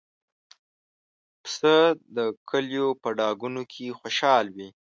پسه د کلیو په ډاګونو کې خوشحال وي.